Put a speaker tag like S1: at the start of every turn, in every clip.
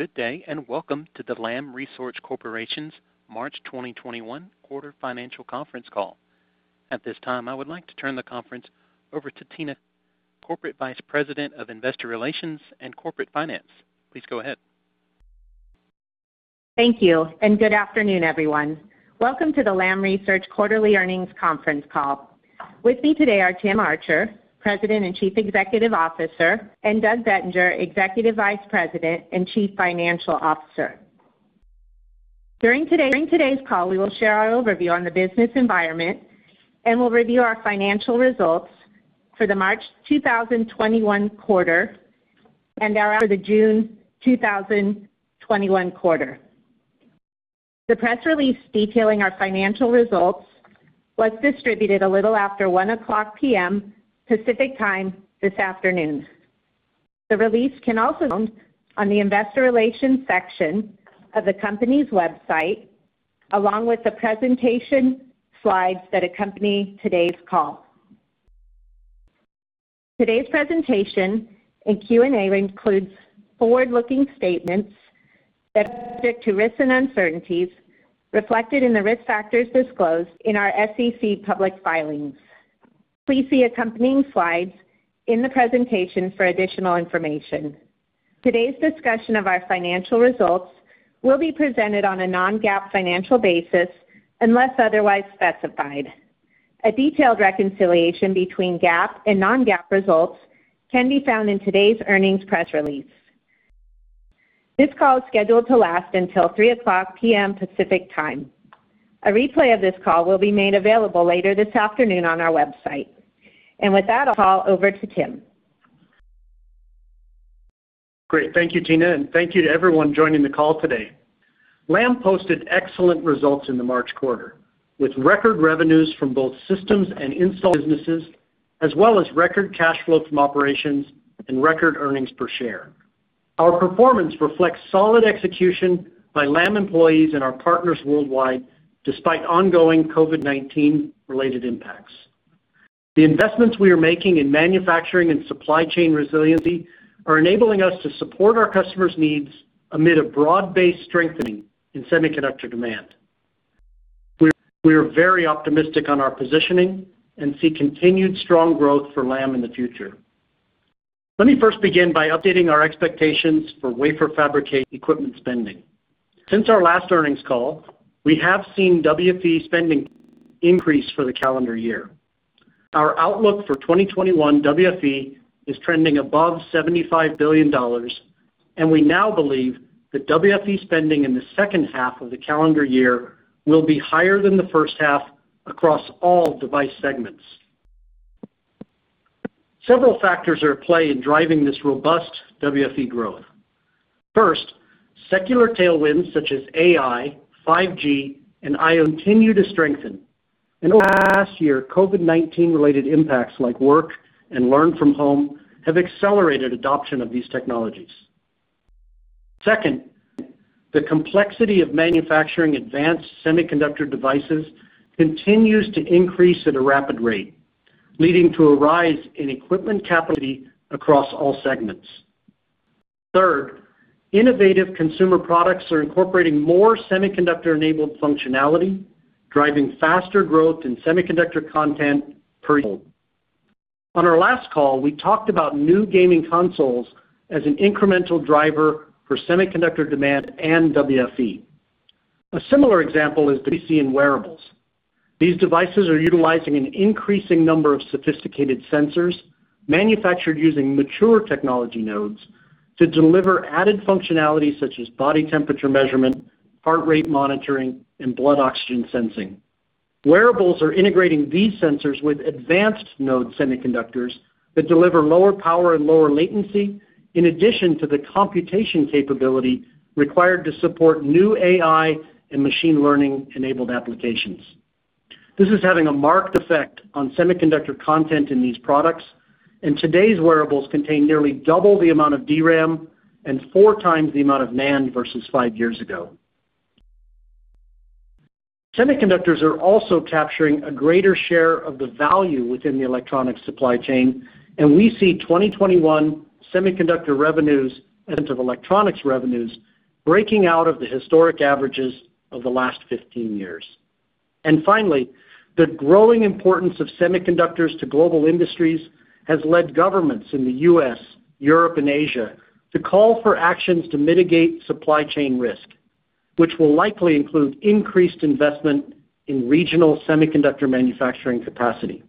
S1: Good day, and welcome to the Lam Research Corporation's March 2021 quarter financial conference call. At this time, I would like to turn the conference over to Tina, Corporate Vice President of Investor Relations and Corporate Finance. Please go ahead.
S2: Thank you, and good afternoon, everyone. Welcome to the Lam Research quarterly earnings conference call. With me today are Tim Archer, President and Chief Executive Officer, and Doug Bettinger, Executive Vice President and Chief Financial Officer. During today's call, we will share our overview on the business environment, and we'll review our financial results for the March 2021 quarter and for the June 2021 quarter. The press release detailing our financial results was distributed a little after 1:00 P.M. Pacific Time this afternoon. The release can also be found on the investor relations section of the company's website, along with the presentation slides that accompany today's call. Today's presentation and Q&A includes forward-looking statements that are subject to risks and uncertainties reflected in the risk factors disclosed in our SEC public filings. Please see accompanying slides in the presentation for additional information. Today's discussion of our financial results will be presented on a non-GAAP financial basis, unless otherwise specified. A detailed reconciliation between GAAP and non-GAAP results can be found in today's earnings press release. This call is scheduled to last until 3:00 P.M. Pacific Time. A replay of this call will be made available later this afternoon on our website. With that, I'll turn the call over to Tim.
S3: Great. Thank you, Tina, and thank you to everyone joining the call today. Lam posted excellent results in the March quarter, with record revenues from both systems and install businesses, as well as record cash flow from operations and record earnings per share. Our performance reflects solid execution by Lam employees and our partners worldwide, despite ongoing COVID-19 related impacts. The investments we are making in manufacturing and supply chain resiliency are enabling us to support our customers' needs amid a broad-based strengthening in semiconductor demand. We are very optimistic on our positioning and see continued strong growth for Lam in the future. Let me first begin by updating our expectations for wafer fabrication equipment spending. Since our last earnings call, we have seen WFE spending increase for the calendar year. Our outlook for 2021 WFE is trending above $75 billion, and we now believe that WFE spending in the second half of the calendar year will be higher than the first half across all device segments. Several factors are at play in driving this robust WFE growth. First, secular tailwinds such as AI, 5G, and I continue to strengthen. Over the past year, COVID-19 related impacts like work and learn from home have accelerated adoption of these technologies. Second, the complexity of manufacturing advanced semiconductor devices continues to increase at a rapid rate, leading to a rise in equipment capability across all segments. Third, innovative consumer products are incorporating more semiconductor-enabled functionality, driving faster growth in semiconductor content per year. On our last call, we talked about new gaming consoles as an incremental driver for semiconductor demand and WFE. A similar example is what we see in wearables. These devices are utilizing an increasing number of sophisticated sensors, manufactured using mature technology nodes to deliver added functionality such as body temperature measurement, heart rate monitoring, and blood oxygen sensing. Wearables are integrating these sensors with advanced node semiconductors that deliver lower power and lower latency, in addition to the computation capability required to support new AI and machine learning-enabled applications. This is having a marked effect on semiconductor content in these products, and today's wearables contain nearly double the amount of DRAM and four times the amount of NAND versus five years ago. Semiconductors are also capturing a greater share of the value within the electronic supply chain, and we see 2021 semiconductor revenues as a percentage of electronics revenues breaking out of the historic averages of the last 15 years. Finally, the growing importance of semiconductors to global industries has led governments in the U.S., Europe, and Asia to call for actions to mitigate supply chain risk, which will likely include increased investment in regional semiconductor manufacturing capacity.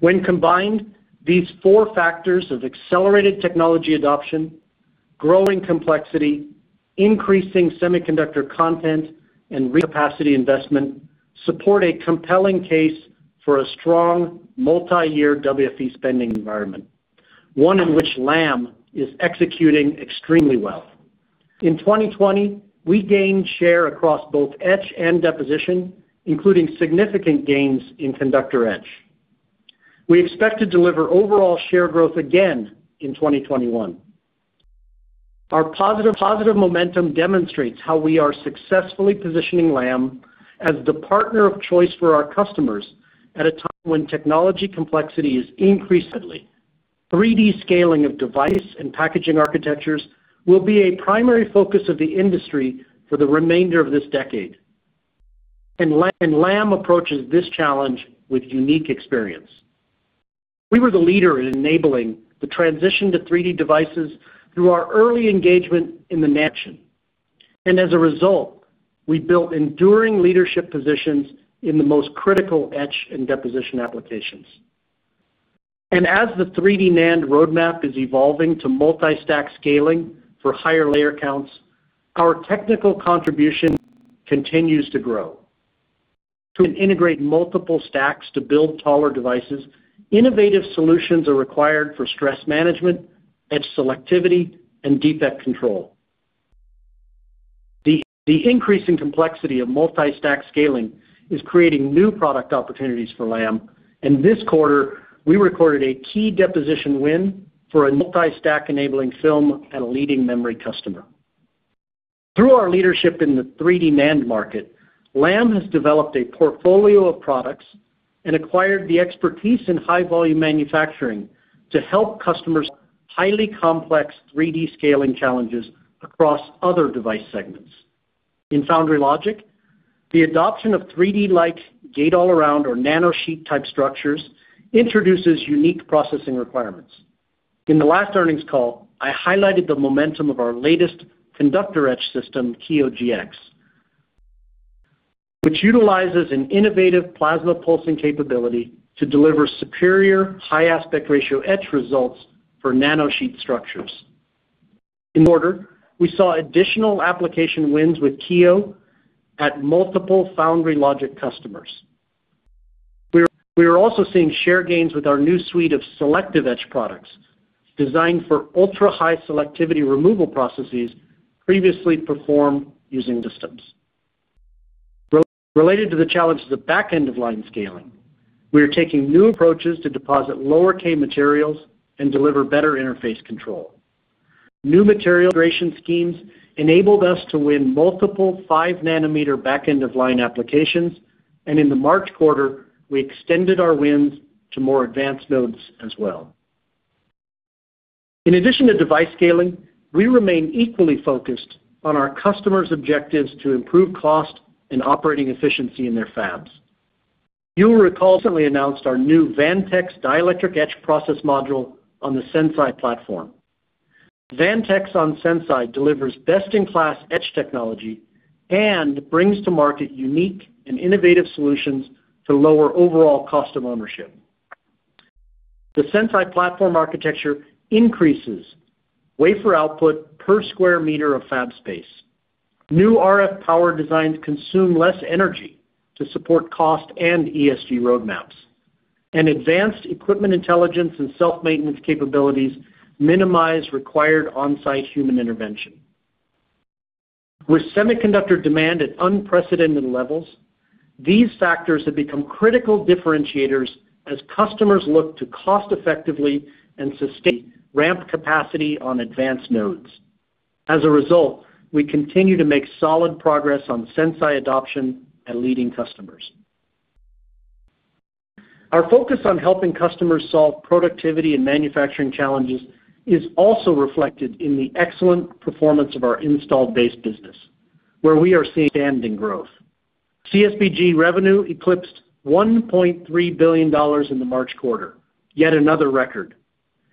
S3: Combined, these four factors of accelerated technology adoption, growing complexity, increasing semiconductor content, and capacity investment support a compelling case for a strong multi-year WFE spending environment, one in which Lam is executing extremely well. In 2020, we gained share across both etch and deposition, including significant gains in conductor etch. We expect to deliver overall share growth again in 2021. Our positive momentum demonstrates how we are successfully positioning Lam as the partner of choice for our customers at a time when technology complexity is increased. 3D scaling of device and packaging architectures will be a primary focus of the industry for the remainder of this decade. Lam approaches this challenge with unique experience. We were the leader in enabling the transition to 3D devices through our early engagement in NAND. As a result, we built enduring leadership positions in the most critical etch and deposition applications. As the 3D NAND roadmap is evolving to multi-stack scaling for higher layer counts, our technical contribution continues to grow. To integrate multiple stacks to build taller devices, innovative solutions are required for stress management, etch selectivity, and defect control. The increasing complexity of multi-stack scaling is creating new product opportunities for Lam. This quarter, we recorded a key deposition win for a multi-stack enabling film at a leading memory customer. Through our leadership in the 3D NAND market, Lam has developed a portfolio of products and acquired the expertise in high-volume manufacturing to help customers with highly complex 3D scaling challenges across other device segments. In foundry logic, the adoption of 3D-like gate-all-around or nanosheet-type structures introduces unique processing requirements. In the last earnings call, I highlighted the momentum of our latest conductor etch system, Kiyo GX, which utilizes an innovative plasma pulsing capability to deliver superior high aspect ratio etch results for nanosheet structures. In this quarter, we saw additional application wins with Kiyo at multiple foundry logic customers. We are also seeing share gains with our new suite of selective etch products designed for ultra-high selectivity removal processes previously performed using Reliant systems. Related to the challenge of the back-end-of-line scaling, we are taking new approaches to deposit low-k materials and deliver better interface control. New material duration schemes enabled us to win multiple five-nanometer back-end-of-line applications, and in the March quarter, we extended our wins to more advanced nodes as well. In addition to device scaling, we remain equally focused on our customers' objectives to improve cost and operating efficiency in their fabs. You will recall we recently announced our new Vantex dielectric etch process module on the Sense.i platform. Vantex on Sense.i delivers best-in-class etch technology and brings to market unique and innovative solutions to lower overall cost of ownership. The Sense.i platform architecture increases wafer output per square meter of fab space. New RF power designs consume less energy to support cost and ESG roadmaps. Advanced Equipment Intelligence and self-maintenance capabilities minimize required on-site human intervention. With semiconductor demand at unprecedented levels, these factors have become critical differentiators as customers look to cost effectively and sustainably ramp capacity on advanced nodes. As a result, we continue to make solid progress on Sense.i adoption at leading customers. Our focus on helping customers solve productivity and manufacturing challenges is also reflected in the excellent performance of our installed base business, where we are seeing outstanding growth. CSBG revenue eclipsed $1.3 billion in the March quarter, yet another record.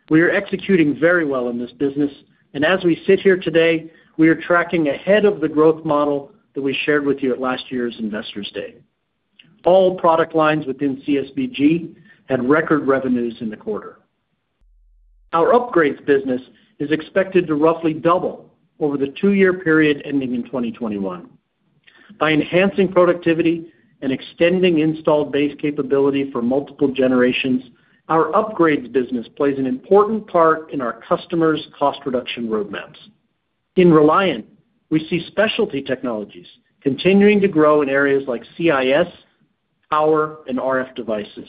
S3: We are executing very well in this business, and as we sit here today, we are tracking ahead of the growth model that we shared with you at last year's Investor Day. All product lines within CSBG had record revenues in the quarter. Our upgrades business is expected to roughly double over the two-year period ending in 2021. By enhancing productivity and extending installed base capability for multiple generations, our upgrades business plays an important part in our customers' cost reduction roadmaps. In Reliant, we see specialty technologies continuing to grow in areas like CIS, power, and RF devices.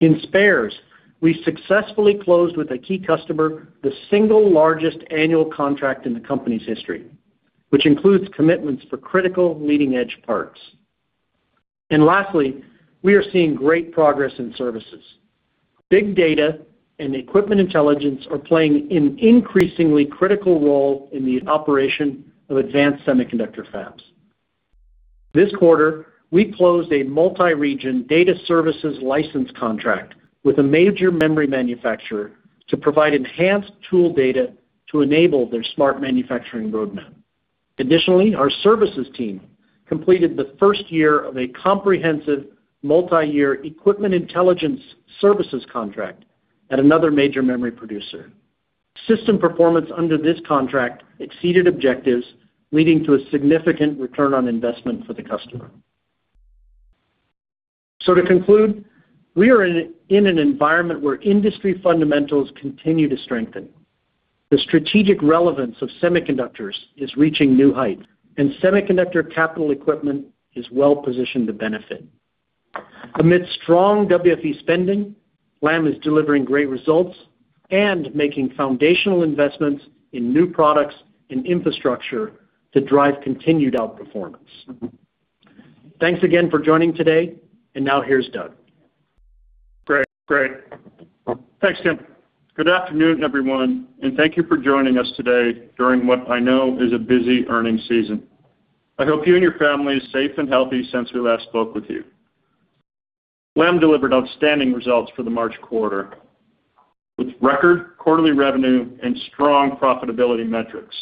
S3: In spares, we successfully closed with a key customer the single largest annual contract in the company's history, which includes commitments for critical leading-edge parts. Lastly, we are seeing great progress in services. Big data and Equipment Intelligence are playing an increasingly critical role in the operation of advanced semiconductor fabs. This quarter, we closed a multi-region data services license contract with a major memory manufacturer to provide enhanced tool data to enable their smart manufacturing roadmap. Additionally, our services team completed the first year of a comprehensive multi-year Equipment Intelligence services contract at another major memory producer. System performance under this contract exceeded objectives, leading to a significant return on investment for the customer. To conclude, we are in an environment where industry fundamentals continue to strengthen. The strategic relevance of semiconductors is reaching new heights, and semiconductor capital equipment is well-positioned to benefit. Amidst strong WFE spending, Lam is delivering great results and making foundational investments in new products and infrastructure to drive continued outperformance. Thanks again for joining today, and now here's Doug.
S4: Great. Thanks, Tim. Good afternoon, everyone. Thank you for joining us today during what I know is a busy earnings season. I hope you and your family is safe and healthy since we last spoke with you. Lam delivered outstanding results for the March quarter, with record quarterly revenue and strong profitability metrics.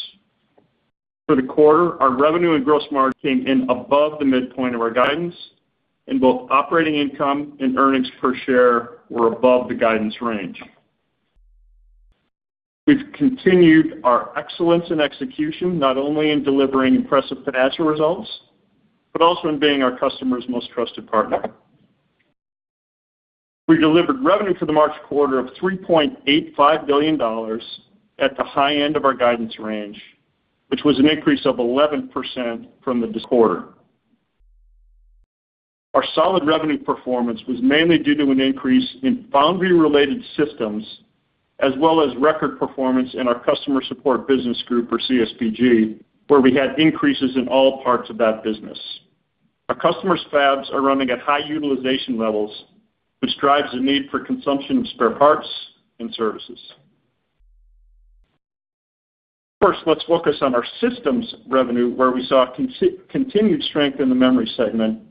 S4: For the quarter, our revenue and gross margin came in above the midpoint of our guidance. Both operating income and earnings per share were above the guidance range. We've continued our excellence in execution, not only in delivering impressive financial results, but also in being our customers' most trusted partner. We delivered revenue for the March quarter of $3.85 billion at the high end of our guidance range, which was an increase of 11% from the quarter. Our solid revenue performance was mainly due to an increase in foundry-related systems, as well as record performance in our Customer Support Business Group or CSBG, where we had increases in all parts of that business. Our customers' fabs are running at high utilization levels, which drives the need for consumption of spare parts and services. First, let's focus on our systems revenue, where we saw continued strength in the memory segment,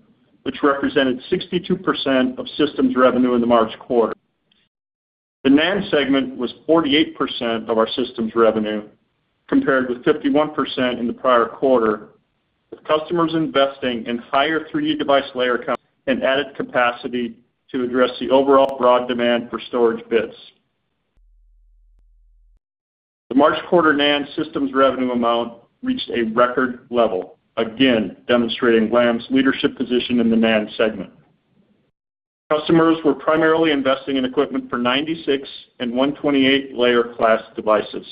S4: which represented 62% of systems revenue in the March quarter. The NAND segment was 48% of our systems revenue, compared with 51% in the prior quarter, with customers investing in higher 3D device layer count and added capacity to address the overall broad demand for storage bits. The March quarter NAND systems revenue amount reached a record level, again, demonstrating Lam's leadership position in the NAND segment. Customers were primarily investing in equipment for 96-layer and 128-layer class devices.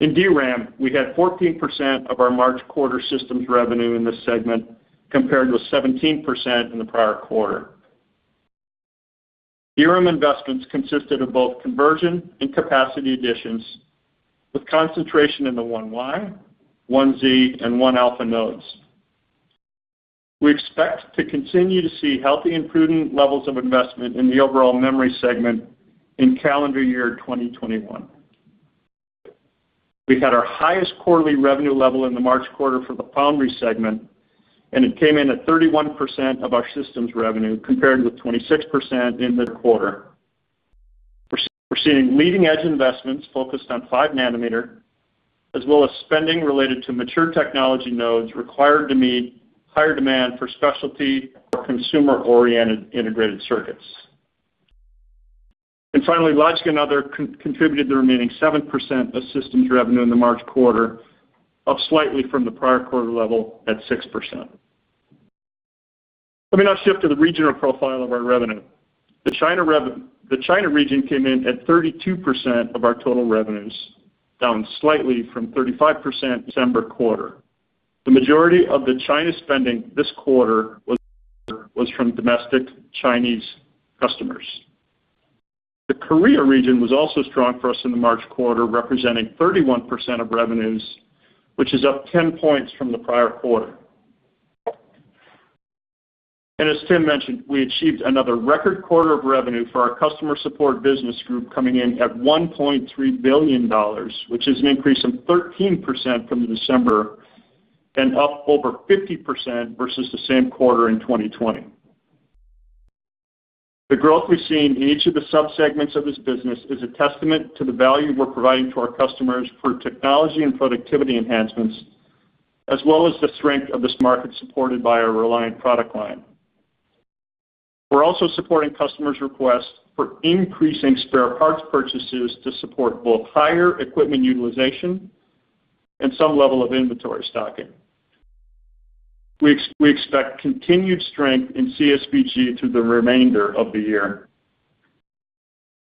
S4: In DRAM, we had 14% of our March quarter systems revenue in this segment, compared with 17% in the prior quarter. DRAM investments consisted of both conversion and capacity additions, with concentration in the 1Y, 1Z, and one-alpha nodes. We expect to continue to see healthy and prudent levels of investment in the overall memory segment in calendar year 2021. We had our highest quarterly revenue level in the March quarter for the foundry segment, and it came in at 31% of our systems revenue, compared with 26% in the quarter. We're seeing leading-edge investments focused on five-nanometer, as well as spending related to mature technology nodes required to meet higher demand for specialty or consumer-oriented integrated circuits. Finally, logic and other contributed the remaining 7% of systems revenue in the March quarter, up slightly from the prior quarter level at 6%. Let me now shift to the regional profile of our revenue. The China region came in at 32% of our total revenues, down slightly from 35% December quarter. The majority of the China spending this quarter was from domestic Chinese customers. The Korea region was also strong for us in the March quarter, representing 31% of revenues, which is up 10 points from the prior quarter. As Tim mentioned, we achieved another record quarter of revenue for our Customer Support Business Group, coming in at $1.3 billion, which is an increase of 13% from the December, and up over 50% versus the same quarter in 2020. The growth we've seen in each of the sub-segments of this business is a testament to the value we're providing to our customers for technology and productivity enhancements, as well as the strength of this market supported by our Reliant product line. We're also supporting customers' requests for increasing spare parts purchases to support both higher equipment utilization and some level of inventory stocking. We expect continued strength in CSBG through the remainder of the year.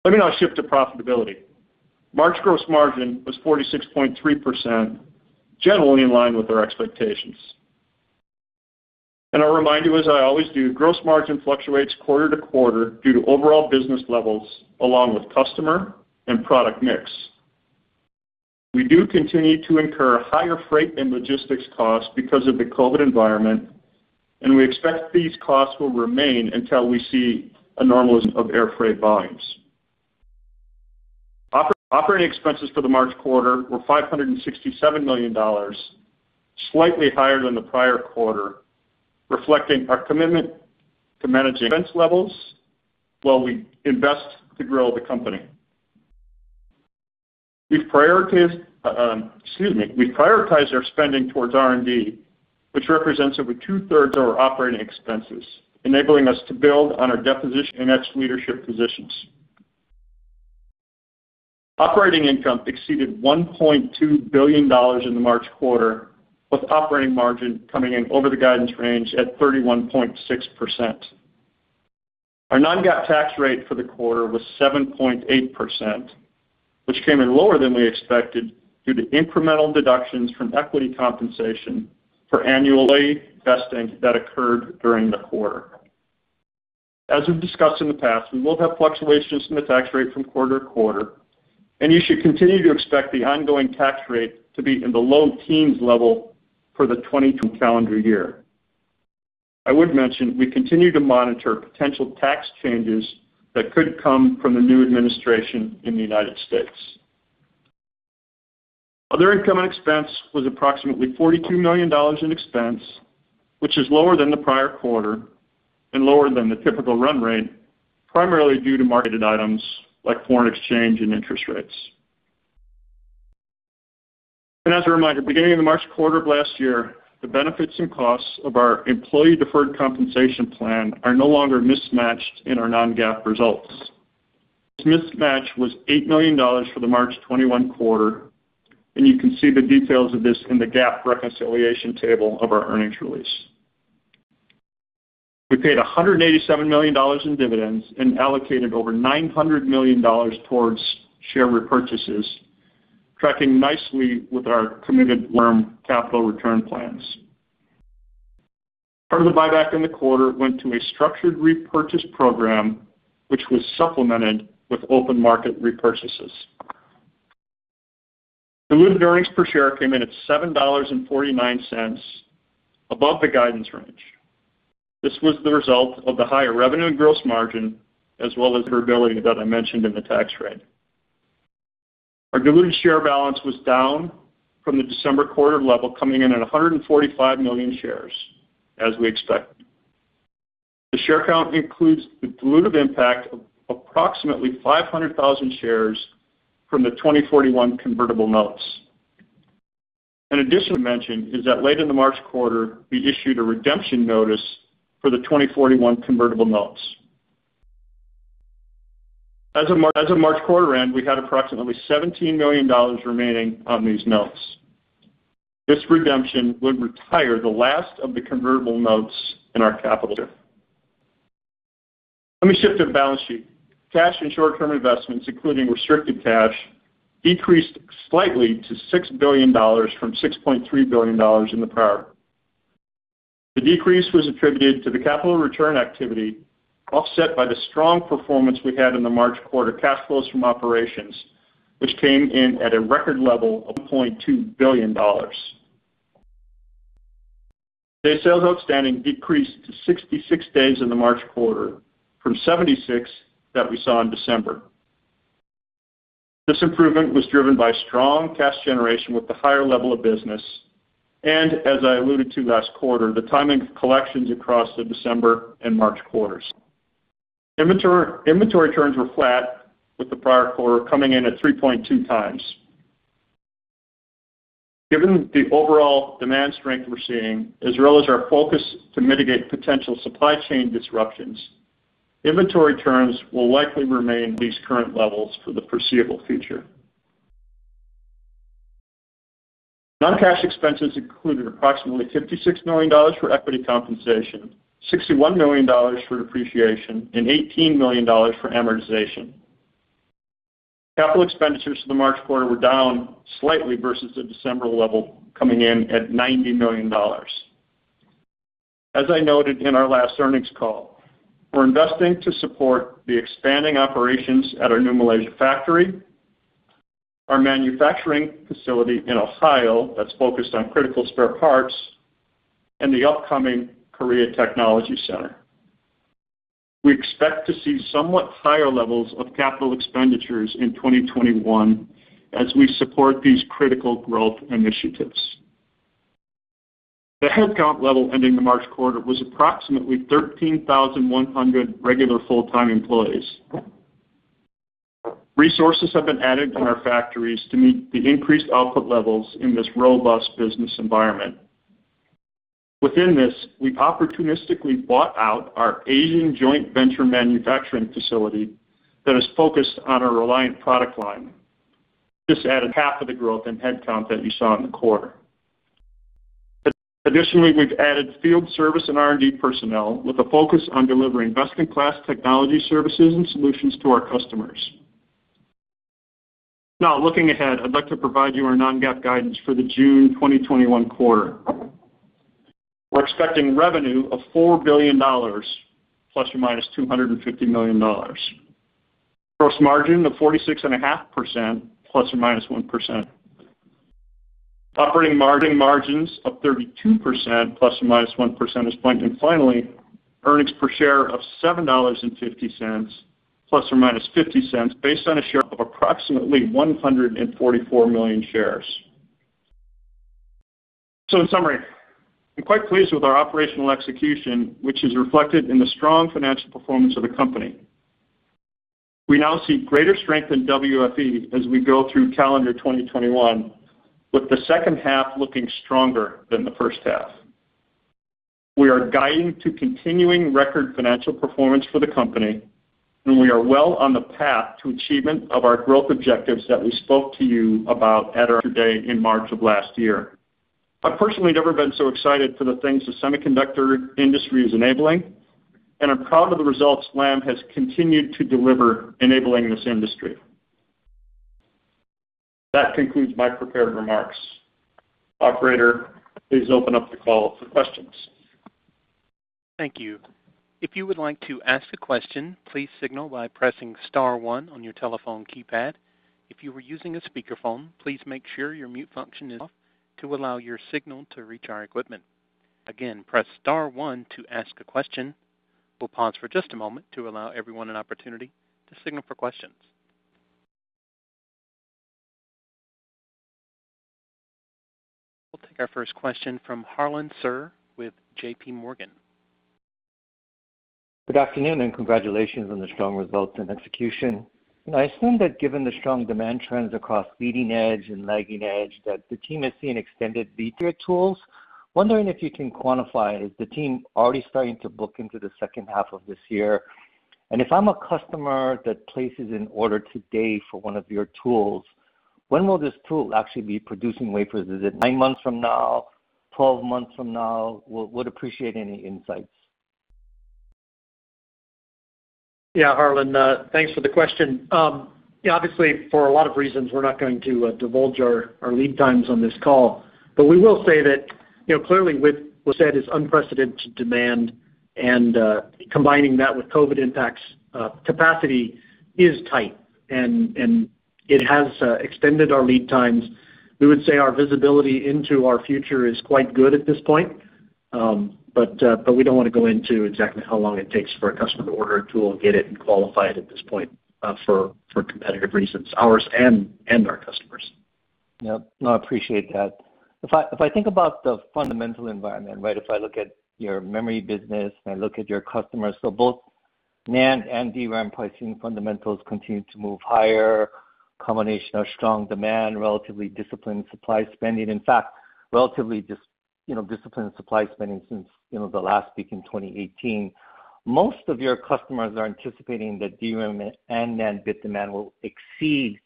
S4: Let me now shift to profitability. March gross margin was 46.3%, generally in line with our expectations. I'll remind you, as I always do, gross margin fluctuates quarter-to-quarter due to overall business levels, along with customer and product mix. We do continue to incur higher freight and logistics costs because of the COVID-19 environment, and we expect these costs will remain until we see a normalization of air freight volumes. Operating expenses for the March quarter were $567 million, slightly higher than the prior quarter, reflecting our commitment to managing expense levels while we invest to grow the company. We've prioritized our spending towards R&D, which represents over 2/3 of our operating expenses, enabling us to build on our deposition and etch leadership positions. Operating income exceeded $1.2 billion in the March quarter, with operating margin coming in over the guidance range at 31.6%. Our non-GAAP tax rate for the quarter was 7.8%, which came in lower than we expected due to incremental deductions from equity compensation for annual vesting that occurred during the quarter. As we've discussed in the past, we will have fluctuations in the tax rate from quarter-to-quarter, and you should continue to expect the ongoing tax rate to be in the low teens level for the 2022 calendar year. I would mention we continue to monitor potential tax changes that could come from the new administration in the U.S. Other income expense was approximately $42 million in expense, which is lower than the prior quarter and lower than the typical run rate, primarily due to marketed items like foreign exchange and interest rates. As a reminder, beginning in the March quarter of last year, the benefits and costs of our employee deferred compensation plan are no longer mismatched in our non-GAAP results. This mismatch was $8 million for the March 2021 quarter, and you can see the details of this in the GAAP reconciliation table of our earnings release. We paid $187 million in dividends and allocated over $900 million towards share repurchases, tracking nicely with our committed capital return plans. Part of the buyback in the quarter went to a structured repurchase program, which was supplemented with open market repurchases. Diluted earnings per share came in at $7.49, above the guidance range. This was the result of the higher revenue and gross margin, as well as variability that I mentioned in the tax rate. Our diluted share balance was down from the December quarter level, coming in at 145 million shares, as we expected. The share count includes the dilutive impact of approximately 500,000 shares from the 2041 convertible notes. An additional mention is that late in the March quarter, we issued a redemption notice for the 2041 convertible notes. As of March quarter end, we had approximately $17 million remaining on these notes. This redemption would retire the last of the convertible notes in our capital structure. Let me shift to the balance sheet. Cash and short-term investments, including restricted cash, decreased slightly to $6 billion from $6.3 billion in the prior quarter. The decrease was attributed to the capital return activity, offset by the strong performance we had in the March quarter cash flows from operations, which came in at a record level of $1.2 billion. Days sales outstanding decreased to 66 days in the March quarter from 76 that we saw in December. This improvement was driven by strong cash generation with the higher level of business, and as I alluded to last quarter, the timing of collections across the December and March quarters. Inventory turns were flat with the prior quarter coming in at 3.2x. Given the overall demand strength we're seeing, as well as our focus to mitigate potential supply chain disruptions, inventory turns will likely remain at these current levels for the foreseeable future. Non-cash expenses included approximately $56 million for equity compensation, $61 million for depreciation, and $18 million for amortization. Capital expenditures for the March quarter were down slightly versus the December level, coming in at $90 million. As I noted in our last earnings call, we're investing to support the expanding operations at our new Malaysia factory, our manufacturing facility in Ohio that's focused on critical spare parts, and the upcoming Korea Technology Center. We expect to see somewhat higher levels of capital expenditures in 2021 as we support these critical growth initiatives. The headcount level ending the March quarter was approximately 13,100 regular full-time employees. Resources have been added in our factories to meet the increased output levels in this robust business environment. Within this, we opportunistically bought out our Asian joint venture manufacturing facility that is focused on our Reliant product line. This added half of the growth in headcount that you saw in the quarter. Additionally, we've added field service and R&D personnel with a focus on delivering best-in-class technology services and solutions to our customers. Looking ahead, I'd like to provide you our non-GAAP guidance for the June 2021 quarter. We're expecting revenue of $4 billion ± $250 million. Gross margin of 46.5% ± 1%. Operating margins of 32% ± 1 percentage point. Finally, earnings per share of $7.50 ± $0.50 based on a share of approximately 144 million shares. In summary, I'm quite pleased with our operational execution, which is reflected in the strong financial performance of the company. We now see greater strength in WFE as we go through calendar 2021, with the second half looking stronger than the first half. We are guiding to continuing record financial performance for the company. We are well on the path to achievement of our growth objectives that we spoke to you about at our Investor Day in March of last year. I've personally never been so excited for the things the semiconductor industry is enabling, and I'm proud of the results Lam has continued to deliver enabling this industry. That concludes my prepared remarks. Operator, please open up the call for questions.
S1: Thank you. If you would like to ask a question, please signal by pressing star one on your telephone keypad. If you are using a speakerphone, please make sure your mute function is off to allow your signal to reach our equipment. Again, press star one to ask a question. We'll pause for just a moment to allow everyone an opportunity to signal for questions. We'll take our first question from Harlan Sur with J.P. Morgan.
S5: Good afternoon and congratulations on the strong results and execution. I assume that given the strong demand trends across leading edge and lagging edge, that the team is seeing extended lead times for tools. Wondering if you can quantify, is the team already starting to book into the second half of this year? If I'm a customer that places an order today for one of your tools, when will this tool actually be producing wafers? Is it nine months from now, 12 months from now? Would appreciate any insights.
S4: Yeah, Harlan, thanks for the question. Obviously, for a lot of reasons, we're not going to divulge our lead times on this call. We will say that, clearly with what's said, is unprecedented demand and combining that with COVID-19 impacts, capacity is tight, and it has extended our lead times. We would say our visibility into our future is quite good at this point. We don't want to go into exactly how long it takes for a customer to order a tool and get it and qualify it at this point for competitive reasons, ours and our customers.
S5: Yep. No, I appreciate that. If I think about the fundamental environment, if I look at your memory business and I look at your customers, both NAND and DRAM pricing fundamentals continue to move higher. Combination of strong demand, relatively disciplined supply spending. In fact, relatively disciplined supply spending since the last peak in 2018. Most of your customers are anticipating that DRAM and NAND bit demand will exceed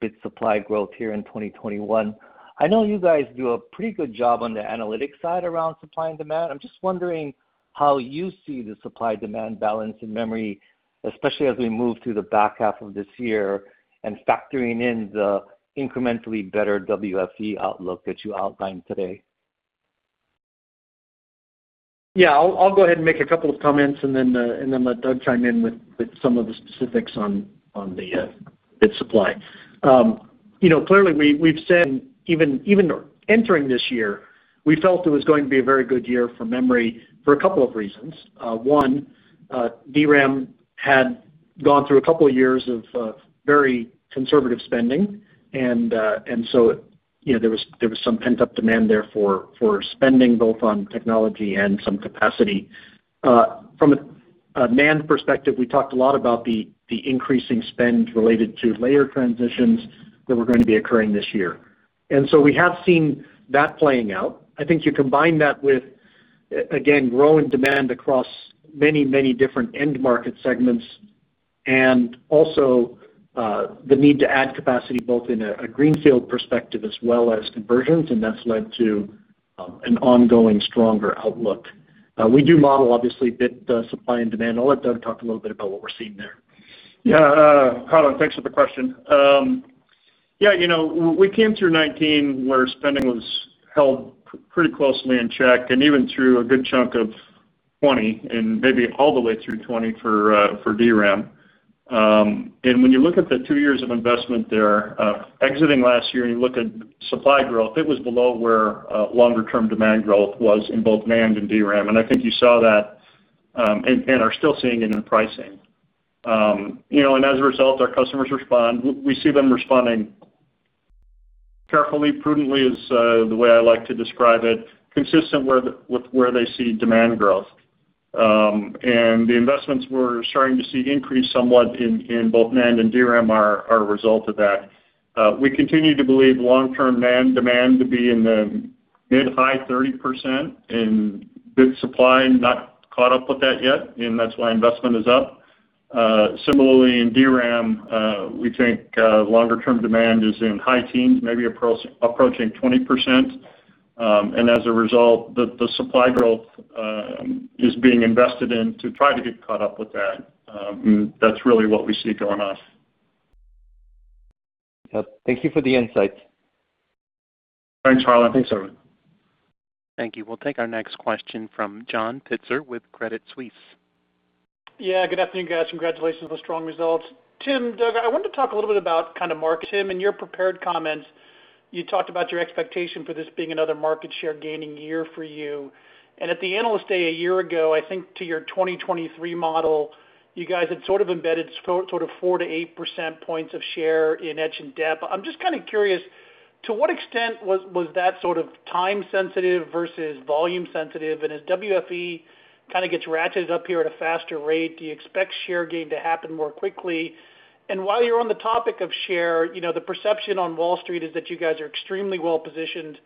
S5: bit supply growth here in 2021. I know you guys do a pretty good job on the analytics side around supply and demand. I'm just wondering how you see the supply-demand balance in memory, especially as we move through the back half of this year and factoring in the incrementally better WFE outlook that you outlined today.
S3: Yeah, I'll go ahead and make a couple of comments and then let Doug chime in with some of the specifics on the bit supply. Clearly, we've said even entering this year, we felt it was going to be a very good year for memory for a couple of reasons. One, DRAM had gone through a couple of years of very conservative spending, and so there was some pent-up demand there for spending, both on technology and some capacity. From a NAND perspective, we talked a lot about the increasing spend related to layer transitions that were going to be occurring this year. We have seen that playing out. I think you combine that with, again, growing demand across many different end market segments and also the need to add capacity both in a greenfield perspective as well as conversions, and that's led to an ongoing stronger outlook. We do model, obviously, bit supply and demand. I'll let Doug talk a little bit about what we're seeing there.
S4: Yeah, Harlan, thanks for the question. We came through 2019 where spending was held pretty closely in check and even through a good chunk of 2020 and maybe all the way through 2020 for DRAM. When you look at the two years of investment there, exiting last year and you look at supply growth, it was below where longer-term demand growth was in both NAND and DRAM. I think you saw that and are still seeing it in pricing. As a result, our customers respond. We see them responding carefully, prudently is the way I like to describe it, consistent with where they see demand growth. The investments we're starting to see increase somewhat in both NAND and DRAM are a result of that. We continue to believe long-term NAND demand to be in the mid high 30% and bit supply not caught up with that yet, and that's why investment is up. Similarly, in DRAM, we think longer-term demand is in high teens, maybe approaching 20%. As a result, the supply growth is being invested in to try to get caught up with that. That's really what we see going on.
S5: Thank you for the insight.
S4: Thanks, Harlan.
S5: Thanks, everyone.
S1: Thank you. We'll take our next question from John Pitzer with Credit Suisse.
S6: Yeah, good afternoon, guys. Congratulations on the strong results. Tim, Doug, I wanted to talk a little bit about kind of market. Tim, in your prepared comments, you talked about your expectation for this being another market share gaining year for you. At the Investor Day a year ago, I think to your 2023 model, you guys had sort of embedded sort of 4%-8% points of share in etch and dep. I'm just kind of curious, to what extent was that sort of time sensitive versus volume sensitive? As WFE kind of gets ratcheted up here at a faster rate, do you expect share gain to happen more quickly? While you're on the topic of share, the perception on Wall Street is that you guys are extremely well-positioned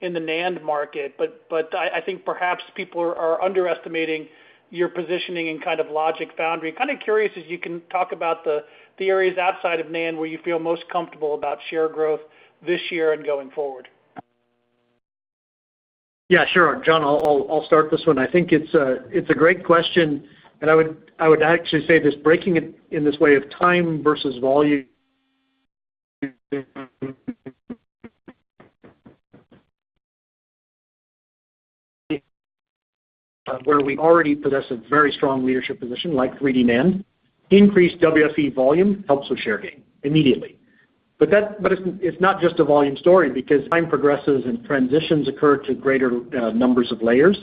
S6: in the NAND market. I think perhaps people are underestimating your positioning in logic foundry. Kind of curious if you can talk about the theories outside of NAND where you feel most comfortable about share growth this year and going forward?
S3: Yeah, sure. John, I'll start this one. I think it's a great question. I would actually say this, breaking it in this way of time versus volume where we already possess a very strong leadership position like 3D NAND, increased WFE volume helps with share gain immediately. It's not just a volume story because time progresses and transitions occur to greater numbers of layers.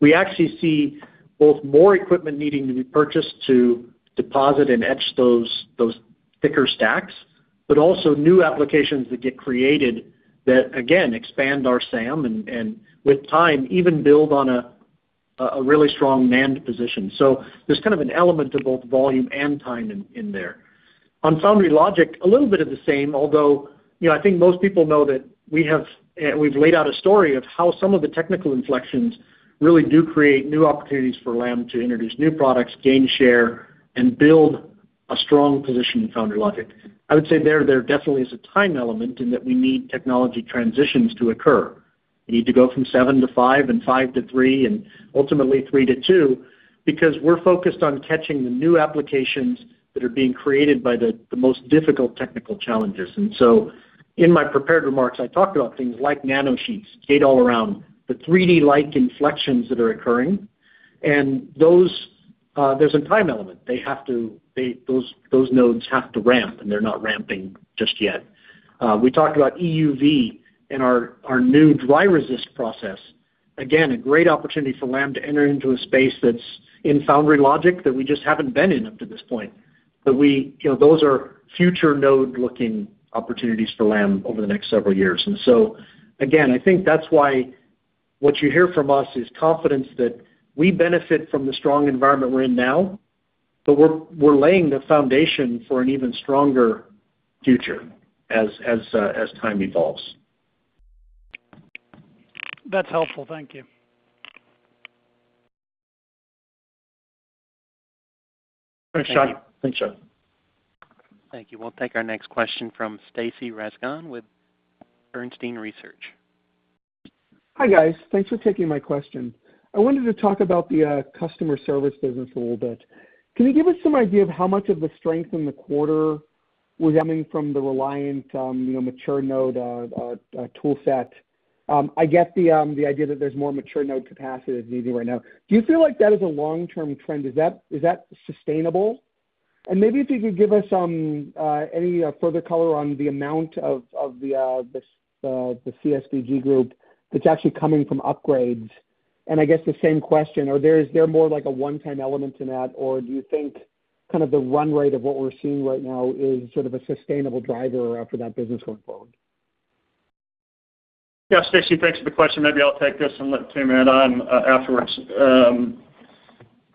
S3: We actually see both more equipment needing to be purchased to deposit and etch those thicker stacks, but also new applications that get created that again, expand our SAM, and with time, even build on a really strong NAND position. There's kind of an element of both volume and time in there. On foundry logic, a little bit of the same, although, I think most people know that we've laid out a story of how some of the technical inflections really do create new opportunities for Lam to introduce new products, gain share, and build a strong position in foundry logic. I would say there definitely is a time element in that we need technology transitions to occur. We need to go from seven to five and five to three, and ultimately three to two, because we're focused on catching the new applications that are being created by the most difficult technical challenges. In my prepared remarks, I talked about things like nanosheets, gate-all-around, the 3D-like inflections that are occurring. There's a time element. Those nodes have to ramp, and they're not ramping just yet. We talked about EUV and our new dry resist process. Again, a great opportunity for Lam to enter into a space that's in foundry logic that we just haven't been in up to this point. Those are future node-looking opportunities for Lam over the next several years. Again, I think that's why what you hear from us is confidence that we benefit from the strong environment we're in now, but we're laying the foundation for an even stronger future as time evolves.
S6: That's helpful. Thank you.
S3: Thanks, John.
S1: Thank you. We'll take our next question from Stacy Rasgon with Bernstein Research.
S7: Hi, guys. Thanks for taking my question. I wanted to talk about the customer service business a little bit. Can you give us some idea of how much of the strength in the quarter was coming from the Reliant, mature node tool set? I get the idea that there's more mature node capacity that's needed right now. Do you feel like that is a long-term trend? Is that sustainable? Maybe if you could give us any further color on the amount of the CSBG group that's actually coming from upgrades. I guess the same question, is there more like a one-time element to that, or do you think kind of the run rate of what we're seeing right now is sort of a sustainable driver for that business going forward?
S4: Yeah, Stacy, thanks for the question. Maybe I'll take this and let Tim add on afterwards.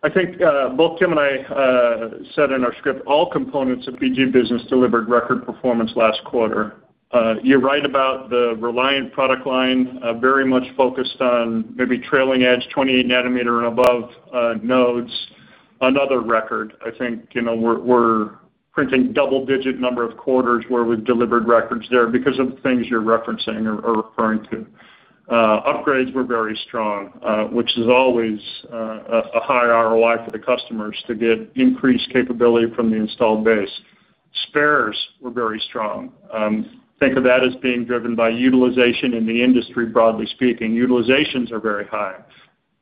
S4: I think both Tim and I said in our script, all components of CSBG business delivered record performance last quarter. You're right about the Reliant product line, very much focused on maybe trailing-edge 28 nanometer and above nodes. Another record, I think, we're printing double-digit number of quarters where we've delivered records there because of the things you're referencing or referring to. Upgrades were very strong, which is always a high ROI for the customers to get increased capability from the installed base. Spares were very strong. Think of that as being driven by utilization in the industry, broadly speaking. Utilizations are very high.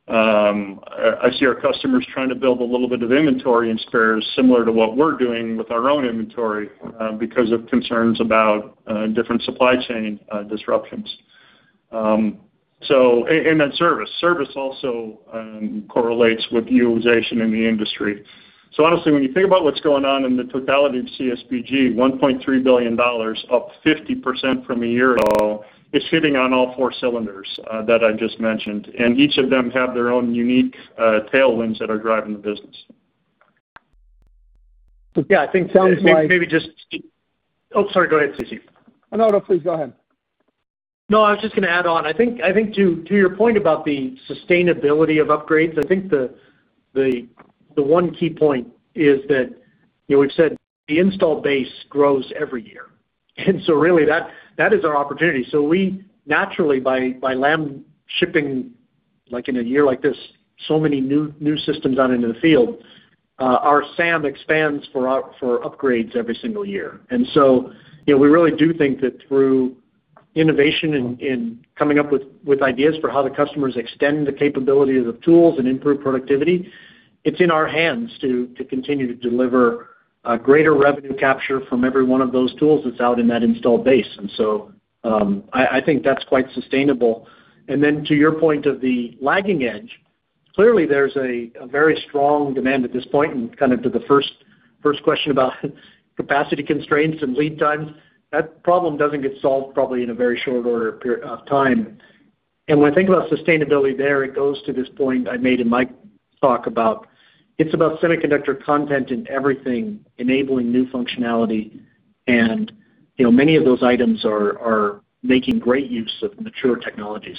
S4: I see our customers trying to build a little bit of inventory in spares, similar to what we're doing with our own inventory, because of concerns about different supply chain disruptions. So in service. Service also correlates with utilization in the industry. Honestly, when you think about what's going on in the totality of CSBG, $1.3 billion, up 50% from a year ago, is hitting on all four cylinders that I just mentioned, and each of them have their own unique tailwinds that are driving the business.
S3: Yeah.
S4: Maybe just Oh, sorry. Go ahead, Stacy.
S7: No, please go ahead.
S3: No, I was just going to add on. I think to your point about the sustainability of upgrades, I think the one key point is that we've said the installed base grows every year. Really that is our opportunity. We naturally by Lam shipping, like in a year like this, so many new systems out into the field, our SAM expands for upgrades every single year. We really do think that through innovation and coming up with ideas for how the customers extend the capability of the tools and improve productivity, it's in our hands to continue to deliver a greater revenue capture from every one of those tools that's out in that installed base. I think that's quite sustainable. Then to your point of the lagging edge, clearly there's a very strong demand at this point and kind of to the first question about capacity constraints and lead times, that problem doesn't get solved probably in a very short order of time. When I think about sustainability there, it goes to this point I made in my talk about, it's about semiconductor content in everything enabling new functionality, and many of those items are making great use of mature technology.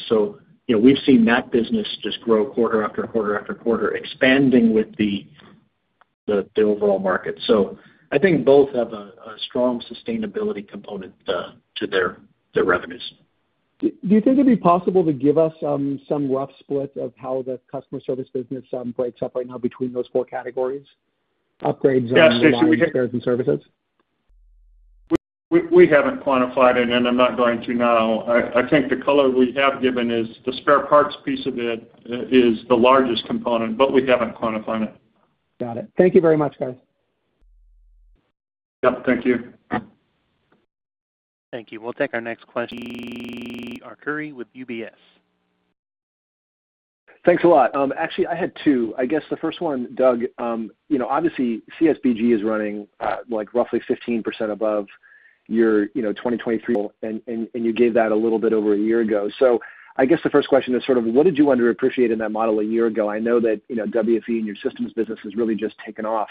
S3: We've seen that business just grow quarter after quarter after quarter, expanding with the overall market. I think both have a strong sustainability component to their revenues.
S7: Do you think it'd be possible to give us some rough split of how the customer service business breaks up right now between those four categories?
S4: Yeah.
S7: Spares and services.
S4: We haven't quantified it, and I'm not going to now. I think the color we have given is the spare parts piece of it is the largest component, but we haven't quantified it.
S7: Got it. Thank you very much, guys.
S4: Yep, thank you.
S1: Thank you. We'll take our next question, Timothy Arcuri with UBS.
S8: Thanks a lot. Actually, I had two. I guess the first one, Doug, obviously CSBG is running like roughly 15% above your 2023, and you gave that a little bit over a year ago. I guess the first question is sort of what did you underappreciate in that model a year ago? I know that WFE in your systems business has really just taken off,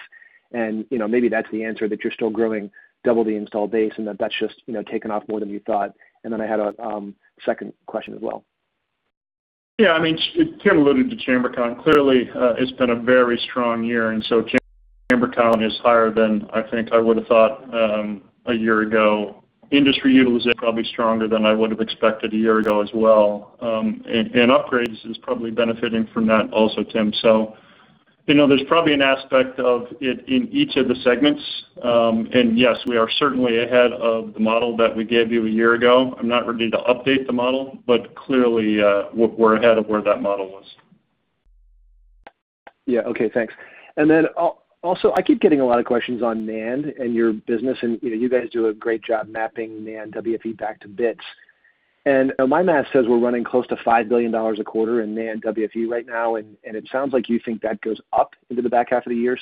S8: and maybe that's the answer, that you're still growing double the installed base and that's just taken off more than you thought. I had a second question as well.
S4: Yeah. Tim alluded to chamber count. Clearly, it's been a very strong year, chamber count is higher than I think I would have thought a year ago. Industry utilization probably stronger than I would have expected a year ago as well. Upgrades is probably benefiting from that also, Tim. There's probably an aspect of it in each of the segments. Yes, we are certainly ahead of the model that we gave you a year ago. I'm not ready to update the model, but clearly, we're ahead of where that model was.
S8: Yeah. Okay, thanks. I keep getting a lot of questions on NAND and your business, and you guys do a great job mapping NAND WFE back to bits. My math says we're running close to $5 billion a quarter in NAND WFE right now, it sounds like you think that goes up into the back half of the year.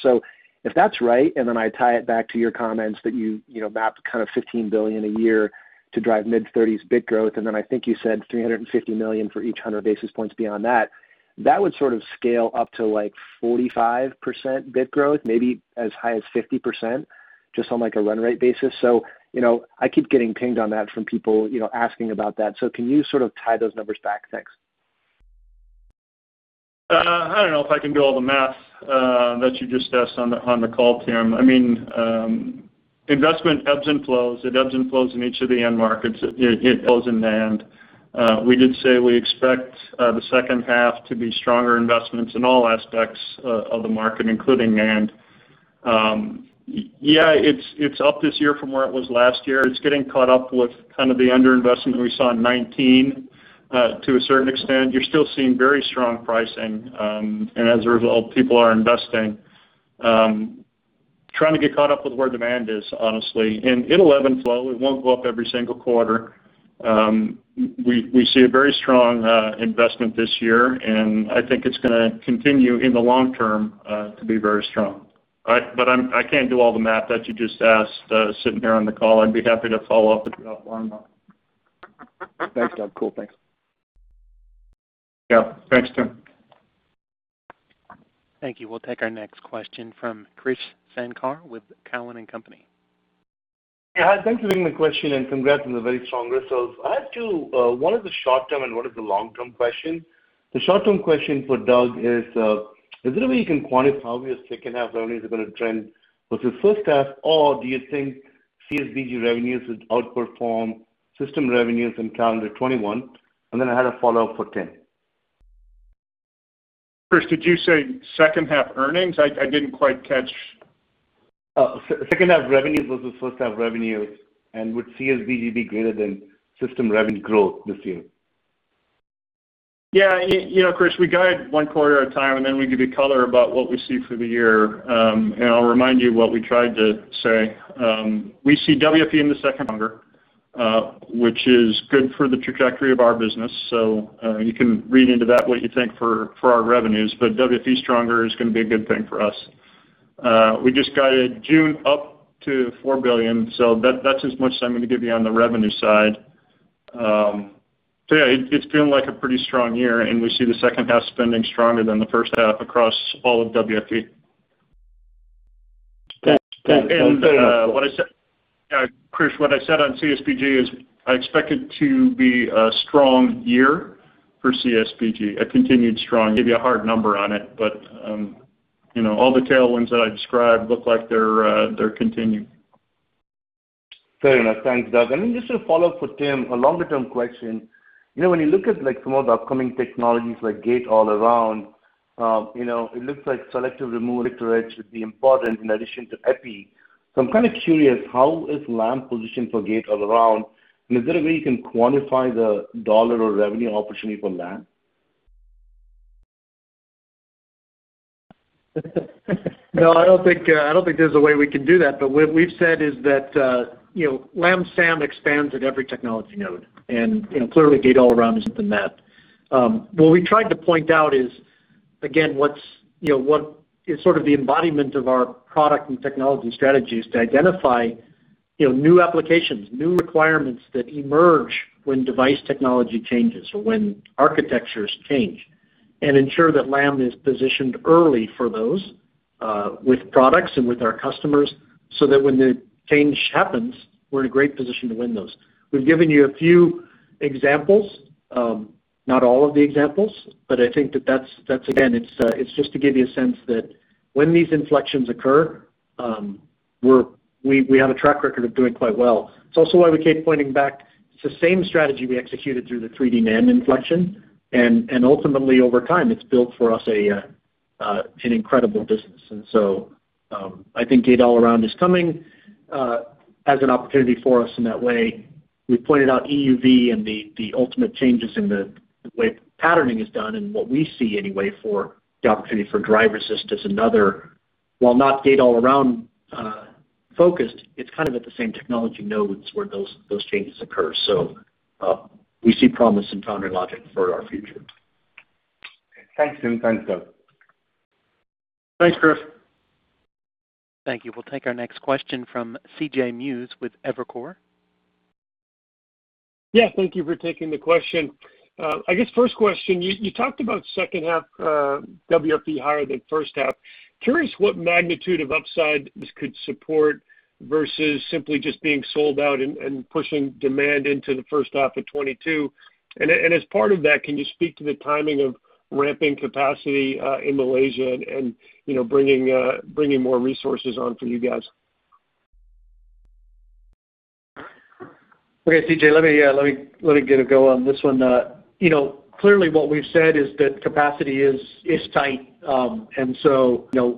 S8: If that's right, I tie it back to your comments that you map kind of $15 billion a year to drive mid-30s bit growth, I think you said $350 million for each 100 basis points beyond that would sort of scale up to like 45% bit growth, maybe as high as 50%, just on like a run rate basis. I keep getting pinged on that from people asking about that. Can you sort of tie those numbers back? Thanks.
S4: I don't know if I can do all the math that you just asked on the call, Tim. Investment ebbs and flows. It ebbs and flows in each of the end markets. It ebbs and flows in NAND. We did say we expect the second half to be stronger investments in all aspects of the market, including NAND. Yeah, it's up this year from where it was last year. It's getting caught up with kind of the underinvestment we saw in 2019, to a certain extent. You're still seeing very strong pricing, as a result, people are investing. Trying to get caught up with where demand is, honestly. It'll ebb and flow. It won't go up every single quarter. We see a very strong investment this year, I think it's going to continue in the long term to be very strong. I can't do all the math that you just asked sitting here on the call. I'd be happy to follow up with you offline, though.
S8: Thanks, Doug. Cool. Thanks.
S4: Yeah. Thanks, Tim.
S1: Thank you. We'll take our next question from Krish Sankar with Cowen and Company.
S9: Thank you for taking the question, congrats on the very strong results. I have two. One is the short-term and one is the long-term question. The short-term question for Doug is there a way you can quantify how your second half earnings are gonna trend with the first half? Do you think CSBG revenues would outperform system revenues in calendar 2021? I had a follow-up for Tim.
S4: Krish, did you say second half earnings? I didn't quite catch.
S9: Second half revenues versus first half revenues, would CSBG be greater than system revenue growth this year?
S4: Yeah. Krish, we guide one quarter at a time, and then we give you color about what we see for the year. I'll remind you what we tried to say. We see WFE in the second half stronger, which is good for the trajectory of our business. You can read into that what you think for our revenues. WFE stronger is gonna be a good thing for us. We just guided June up to $4 billion, so that's as much as I'm gonna give you on the revenue side. Yeah, it's feeling like a pretty strong year, and we see the second half spending stronger than the first half across all of WFE.
S9: Thanks.
S4: Krish, what I said on CSBG is I expect it to be a strong year for CSBG, a continued strong. I give you a hard number on it. All the tailwinds that I described look like they're continuing.
S9: Fair enough. Thanks, Doug. Just a follow-up for Tim, a longer-term question. When you look at some of the upcoming technologies like gate-all-around, it looks like selective removal.
S3: No, I don't think there's a way we can do that. What we've said is that Lam SAM expands at every technology node, and clearly gate-all-around is within that. What we tried to point out is What is sort of the embodiment of our product and technology strategy is to identify new applications, new requirements that emerge when device technology changes or when architectures change, and ensure that Lam is positioned early for those with products and with our customers, so that when the change happens, we're in a great position to win those. We've given you a few examples, not all of the examples, I think that, again, it's just to give you a sense that when these inflections occur, we have a track record of doing quite well. It's also why we keep pointing back. It's the same strategy we executed through the 3D NAND inflection, ultimately, over time, it's built for us an incredible business. I think gate-all-around is coming as an opportunity for us in that way. We pointed out EUV and the ultimate changes in the way patterning is done, and what we see anyway, for the opportunity for dry resist as another, while not gate-all-around focused, it's kind of at the same technology nodes where those changes occur. We see promise in foundry logic for our future.
S9: Thanks, Tim. Thanks, Doug.
S4: Thanks, Krish.
S1: Thank you. We'll take our next question from CJ Muse with Evercore.
S10: Yeah, thank you for taking the question. I guess first question, you talked about second half WFE higher than first half. Curious what magnitude of upside this could support versus simply just being sold out and pushing demand into the first half of 2022. As part of that, can you speak to the timing of ramping capacity in Malaysia and bringing more resources on for you guys?
S3: Okay, CJ, let me get a go on this one. Clearly what we've said is that capacity is tight. To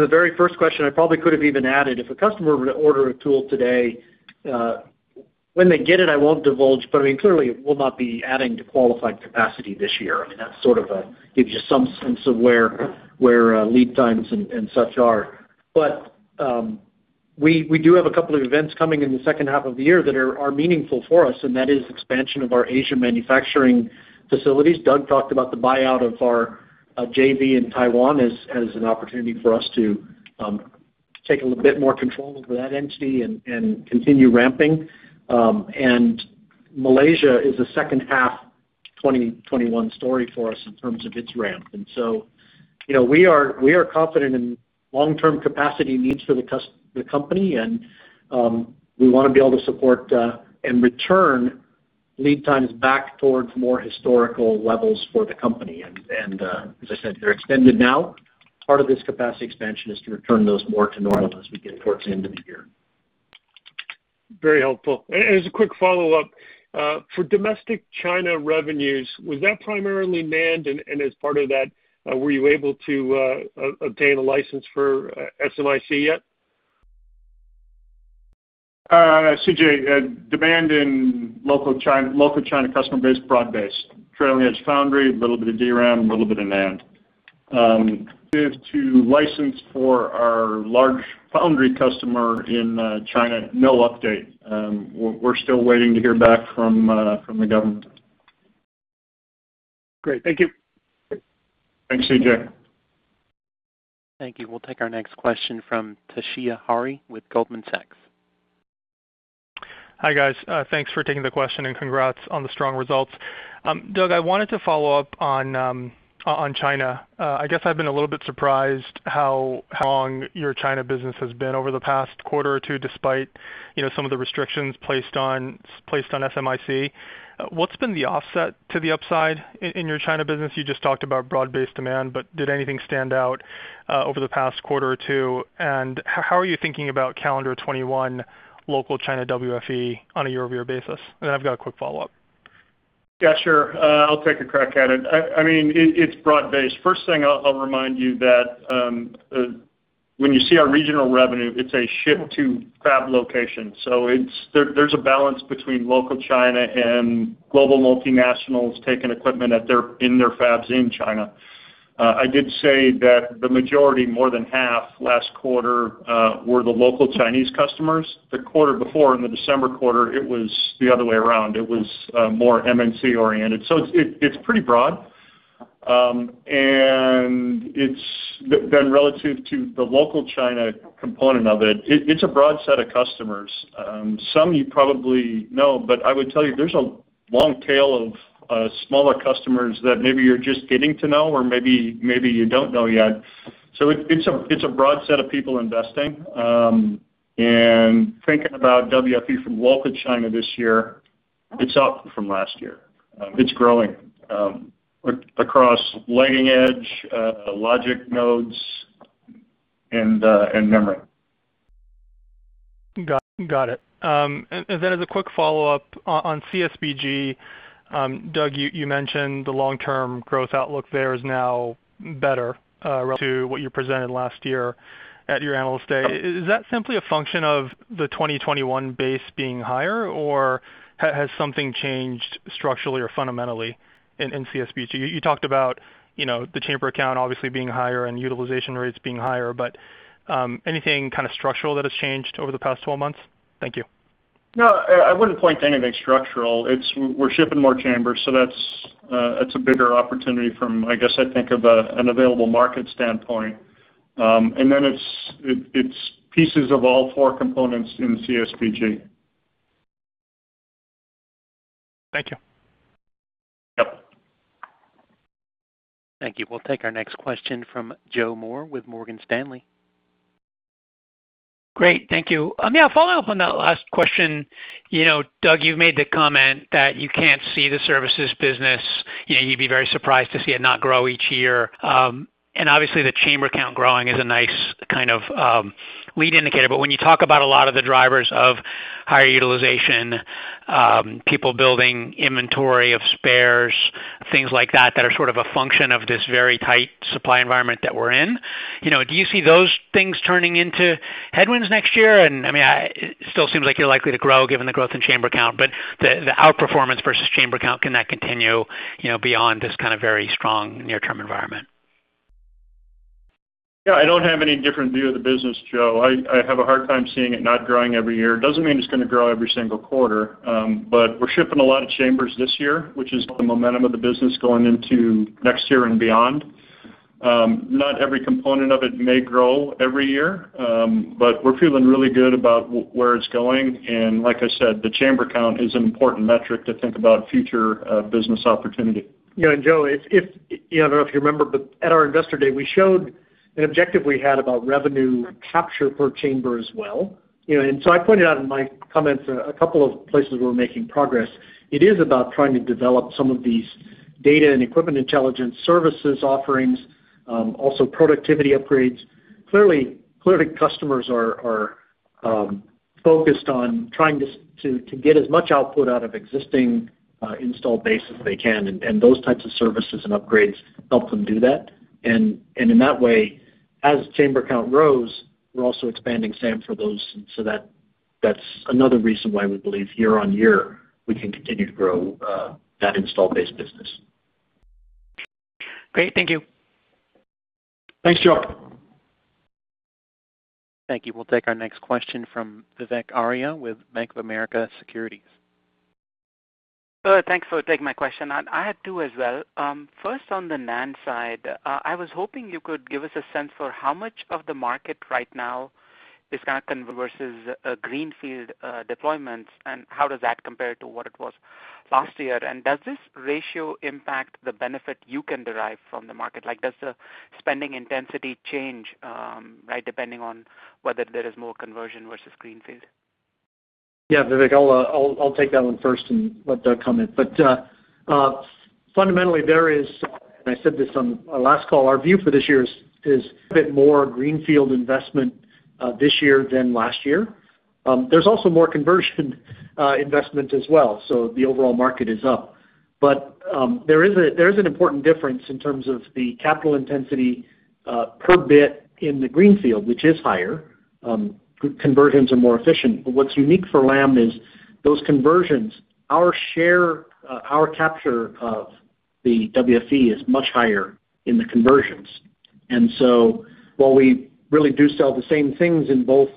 S3: the very first question, I mean probably could have even added, if a customer were to order a tool today, when they get it, I mean won't divulge, but I mean, clearly it will not be adding to qualified capacity this year. I mean, that sort of gives you some sense of where lead times and such are. We do have a couple of events coming in the second half of the year that are meaningful for us, and that is expansion of our Asian manufacturing facilities. Doug talked about the buyout of our JV in Taiwan as an opportunity for us to take a little bit more control over that entity and continue ramping. Malaysia is a second half 2021 story for us in terms of its ramp. We are confident in long-term capacity needs for the company, and we want to be able to support and return lead times back towards more historical levels for the company. As I said, they're extended now. Part of this capacity expansion is to return those more to normal as we get towards the end of the year.
S10: Very helpful. As a quick follow-up, for domestic China revenues, was that primarily NAND, and as part of that, were you able to obtain a license for SMIC yet?
S4: CJ, demand in local China customer base, broad base. Trailing edge foundry, a little bit of DRAM, a little bit of NAND. Give to license for our large foundry customer in China, no update. We're still waiting to hear back from the government.
S10: Great. Thank you.
S4: Thanks, CJ.
S1: Thank you. We'll take our next question from Toshiya Hari with Goldman Sachs.
S11: Hi, guys. Thanks for taking the question and congrats on the strong results. Doug, I wanted to follow up on China. I guess I've been a little bit surprised how long your China business has been over the past quarter or two, despite some of the restrictions placed on SMIC. What's been the offset to the upside in your China business? You just talked about broad-based demand, did anything stand out over the past quarter or two? How are you thinking about calendar 2021 local China WFE on a YoY basis? I've got a quick follow-up.
S4: I'll take a crack at it. I mean, it's broad based. First thing, I'll remind you that when you see our regional revenue, it's a shift to fab location. There's a balance between local China and global multinationals taking equipment in their fabs in China. I did say that the majority, more than half last quarter, were the local Chinese customers. The quarter before, in the December quarter, it was the other way around. It was more MNC oriented. It's pretty broad. Relative to the local China component of it's a broad set of customers. Some you probably know, but I would tell you, there's a long tail of smaller customers that maybe you're just getting to know or maybe you don't know yet. It's a broad set of people investing. Thinking about WFE from local China this year, it's up from last year. It's growing across leading edge, logic nodes, and memory.
S11: Got it. Then as a quick follow-up on CSBG, Doug, you mentioned the long-term growth outlook there is now better relative to what you presented last year at your Analyst Day. Is that simply a function of the 2021 base being higher, or has something changed structurally or fundamentally in CSBG? You talked about the chamber count obviously being higher and utilization rates being higher, but anything kind of structural that has changed over the past 12 months? Thank you.
S4: No, I wouldn't point to anything structural. We're shipping more chambers, that's a bigger opportunity from I guess I think of an available market standpoint. Then it's pieces of all four components in the CSBG.
S11: Thank you.
S4: Yep.
S1: Thank you. We'll take our next question from Joe Moore with Morgan Stanley.
S12: Great. Thank you. Yeah, follow up on that last question. Doug, you've made the comment that you can't see the services business, you'd be very surprised to see it not grow each year. Obviously the chamber count growing is a nice kind of lead indicator. When you talk about a lot of the drivers of higher utilization, people building inventory of spares, things like that are sort of a function of this very tight supply environment that we're in. Do you see those things turning into headwinds next year? It still seems like you're likely to grow given the growth in chamber count, but the outperformance versus chamber count, can that continue, beyond this kind of very strong near-term environment?
S4: Yeah, I don't have any different view of the business, Joe. I have a hard time seeing it not growing every year. Doesn't mean it's going to grow every single quarter. We're shipping a lot of chambers this year, which is the momentum of the business going into next year and beyond. Not every component of it may grow every year. We're feeling really good about where it's going, and like I said, the chamber count is an important metric to think about future business opportunity.
S3: Joe, I don't know if you remember, but at our Investor Day, we showed an objective we had about revenue capture per chamber as well. I pointed out in my comments a couple of places we're making progress. It is about trying to develop some of these data and Equipment Intelligence services offerings, also productivity upgrades. Clearly, customers are focused on trying to get as much output out of existing install base as they can, and those types of services and upgrades help them do that. In that way, as chamber count grows, we're also expanding SAM for those. That's another reason why we believe year-on-year, we can continue to grow that installed base business.
S12: Great. Thank you.
S4: Thanks, Joe.
S1: Thank you. We'll take our next question from Vivek Arya with Bank of America Securities.
S13: Thanks for taking my question. I had two as well. First on the NAND side, I was hoping you could give us a sense for how much of the market right now is kind of versus greenfield deployments, and how does that compare to what it was last year? Does this ratio impact the benefit you can derive from the market? Like, does the spending intensity change, right, depending on whether there is more conversion versus greenfield?
S3: Yeah, Vivek. I'll take that one first and let Doug comment. Fundamentally there is, and I said this on our last call, our view for this year is a bit more greenfield investment this year than last year. There's also more conversion investment as well, so the overall market is up. There is an important difference in terms of the capital intensity, per bit in the greenfield, which is higher. Conversions are more efficient. What's unique for Lam is those conversions, our share, our capture of the WFE is much higher in the conversions. While we really do sell the same things in both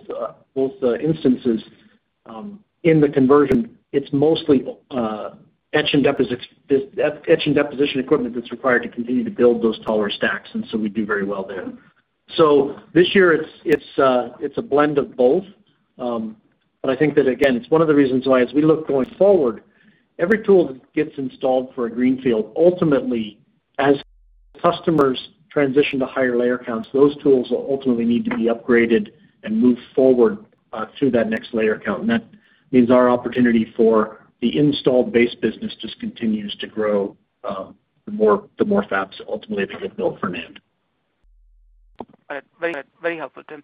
S3: instances, in the conversion, it's mostly etch and deposition equipment that's required to continue to build those taller stacks, and so we do very well there. This year it's a blend of both. I think that, again, it's one of the reasons why as we look going forward, every tool that gets installed for a greenfield, ultimately, as customers transition to higher layer counts, those tools will ultimately need to be upgraded and move forward through that next layer count. That means our opportunity for the installed base business just continues to grow, the more fabs ultimately that get built for NAND.
S13: All right. Very helpful, Tim.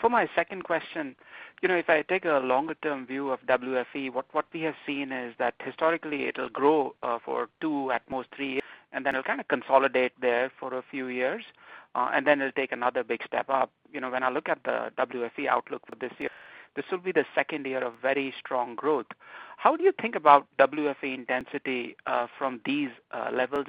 S13: For my second question, if I take a longer-term view of WFE, what we have seen is that historically it'll grow for two, at most three years, then it'll kind of consolidate there for a few years, then it'll take another big step up. When I look at the WFE outlook for this year, this will be the second year of very strong growth. How do you think about WFE intensity from these levels?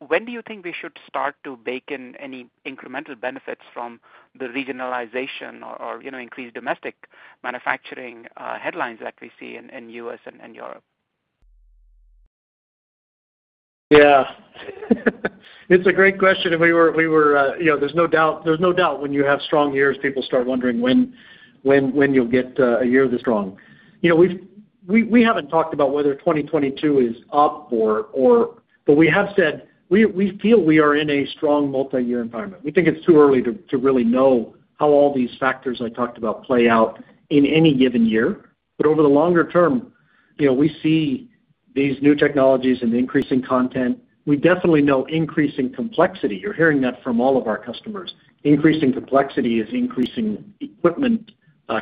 S13: When do you think we should start to bake in any incremental benefits from the regionalization or increased domestic manufacturing headlines that we see in U.S. and Europe?
S3: It's a great question. There's no doubt when you have strong years, people start wondering when you'll get a year this strong. We haven't talked about whether 2022 is up. We have said we feel we are in a strong multi-year environment. We think it's too early to really know how all these factors I talked about play out in any given year. Over the longer term, we see these new technologies and the increasing content. We definitely know increasing complexity. You're hearing that from all of our customers. Increasing complexity is increasing equipment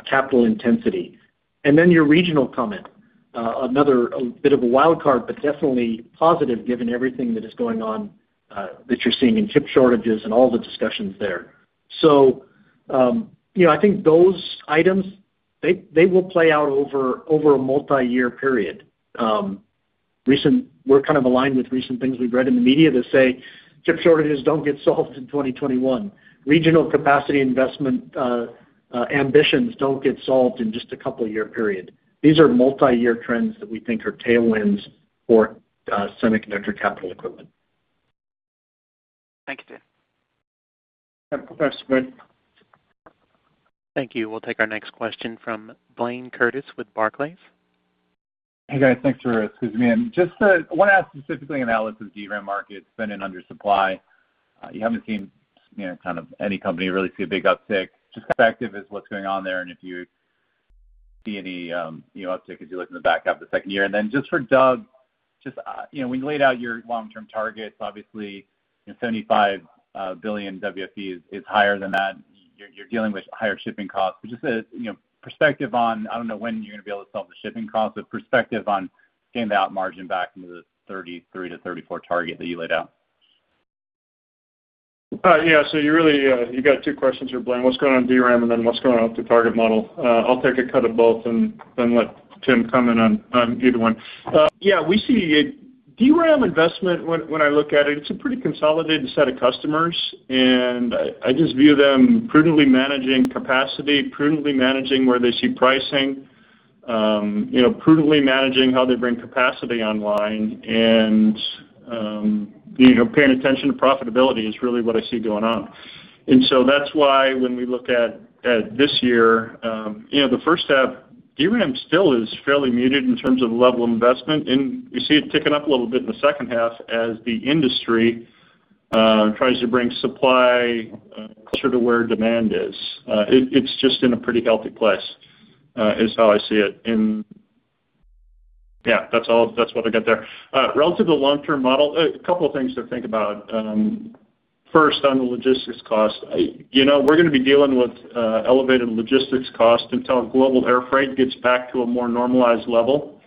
S3: capital intensity. Your regional comment, another bit of a wild card, definitely positive given everything that is going on, that you're seeing in chip shortages and all the discussions there. I think those items, they will play out over a multi-year period. We're kind of aligned with recent things we've read in the media that say chip shortages don't get solved in 2021. Regional capacity investment ambitions don't get solved in just a couple year period. These are multi-year trends that we think are tailwinds for semiconductor capital equipment.
S13: Thank you, Tim.
S1: Thank you. We'll take our next question from Blayne Curtis with Barclays.
S14: Hey, guys. Thanks for squeezing me in. Just want to ask specifically on analysis DRAM market, it's been in under supply. You haven't seen any company really see a big uptick. Just perspective is what's going on there, and if you see any uptick as you look in the back half of the second year. Just for Doug, when you laid out your long-term targets, obviously, $75 billion WFE is higher than that. You're dealing with higher shipping costs. Just perspective on, I don't know when you're going to be able to solve the shipping costs, but perspective on getting that margin back into the 33%-34% target that you laid out.
S4: Yeah. You got two questions there, Blayne. What's going on with DRAM and then what's going on with the target model. I'll take a cut of both and then I'll let Tim comment on either one. Yeah, we see DRAM investment, when I look at it's a pretty consolidated set of customers, and I just view them prudently managing capacity, prudently managing where they see pricing, prudently managing how they bring capacity online, and paying attention to profitability is really what I see going on. That's why when we look at this year, the first half, DRAM still is fairly muted in terms of level of investment, and we see it ticking up a little bit in the second half as the industry tries to bring supply closer to where demand is. It's just in a pretty healthy place, is how I see it. Yeah, that's what I got there. Relative to long-term model, a couple of things to think about. First, on the logistics cost, we're going to be dealing with elevated logistics cost until global air freight gets back to a more normalized level.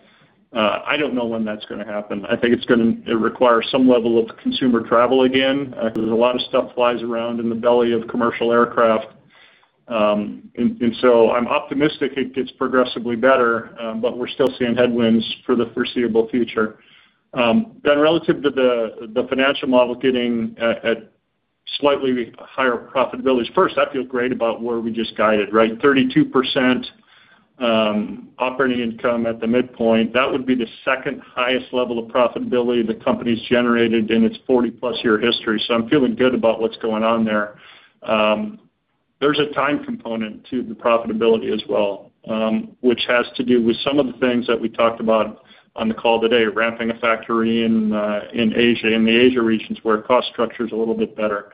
S4: I don't know when that's going to happen. I think it's going to require some level of consumer travel again, because a lot of stuff flies around in the belly of commercial aircraft. I'm optimistic it gets progressively better, but we're still seeing headwinds for the foreseeable future. Relative to the financial model getting at slightly higher profitability. First, I feel great about where we just guided, right? 32% operating income at the midpoint. That would be the second highest level of profitability the company's generated in its 40+ year history, so I'm feeling good about what's going on there. There's a time component to the profitability as well, which has to do with some of the things that we talked about on the call today. Ramping a factory in Asia, in the Asia regions, where cost structure's a little bit better.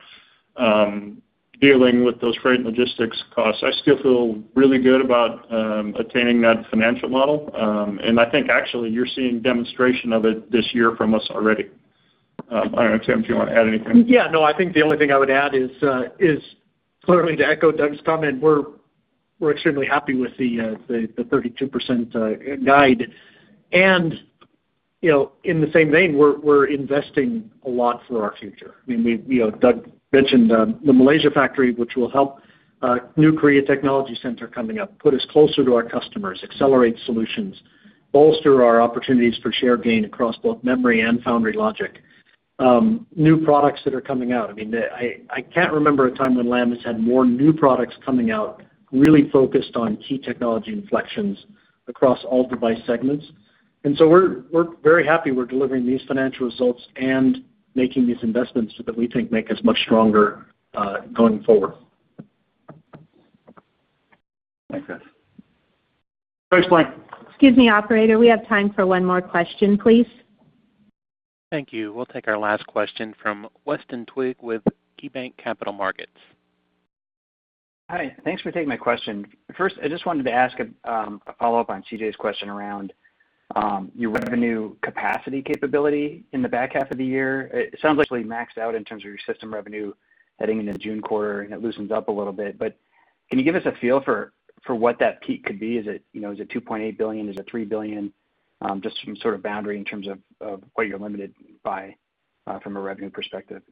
S4: Dealing with those freight and logistics costs. I still feel really good about attaining that financial model. I think actually, you're seeing demonstration of it this year from us already. I don't know, Tim, do you want to add anything?
S3: Yeah, no. I think the only thing I would add is clearly to echo Doug's comment, we're extremely happy with the 32% guide. In the same vein, we're investing a lot for our future. Doug mentioned the Malaysia factory, which will help new Korea Technology Center coming up, put us closer to our customers, accelerate solutions, bolster our opportunities for share gain across both memory and foundry logic. New products that are coming out. I can't remember a time when Lam has had more new products coming out, really focused on key technology inflections across all device segments. We're very happy we're delivering these financial results and making these investments that we think make us much stronger going forward.
S14: Thanks, guys.
S4: Thanks, Blayne.
S2: Excuse me, operator. We have time for one more question, please.
S1: Thank you. We'll take our last question from Weston Twigg with KeyBanc Capital Markets.
S15: Hi. Thanks for taking my question. I just wanted to ask a follow-up on CJ's question around your revenue capacity capability in the back half of the year. It sounds like it's maxed out in terms of your system revenue heading into June quarter, and it loosens up a little bit. Can you give us a feel for what that peak could be? Is it $2.8 billion? Is it $3 billion? Just some sort of boundary in terms of what you're limited by from a revenue perspective.